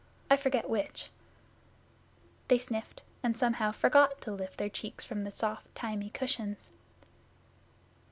I forget which.' They sniffed, and somehow forgot to lift their cheeks from the soft thymy cushions.